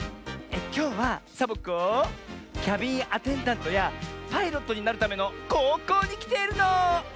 きょうはサボ子キャビンアテンダントやパイロットになるためのこうこうにきているの！